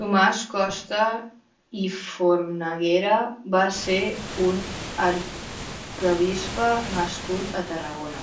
Tomàs Costa i Fornaguera va ser un arquebisbe nascut a Tarragona.